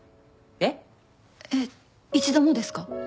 えっ一度もですか？